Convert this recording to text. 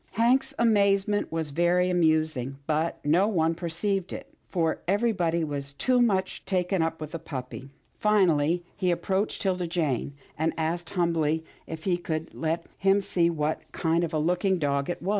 Hank's amazement was very amusing, but no one perceived it, for everybody was too much taken up with the puppy. Finally he approached 'Tilda Jane, and asked humbly, if she would let him see what kind of a looking dog it was.